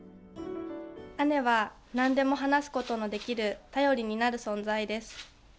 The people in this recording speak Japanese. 姉はなんでも話すことのできる頼りになる存在です。